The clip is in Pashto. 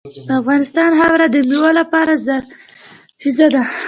د افغانستان خاوره د میوو لپاره زرخیزه ده.